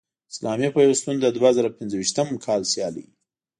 اسلامي پیوستون د دوه زره پنځویشتم کال سیالۍ